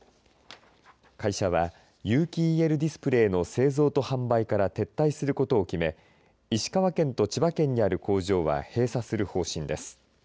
会社は有機ＥＬディスプレーの製造と販売から撤退することを決め石川県と千葉県にある工場は閉鎖する方針です。